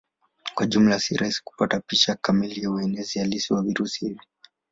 Kwa jumla si rahisi kupata picha kamili ya uenezi halisi wa virusi hivi.